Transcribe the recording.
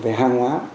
về hàng hóa